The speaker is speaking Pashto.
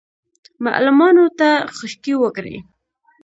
معلمانو ته خشکې وکړې.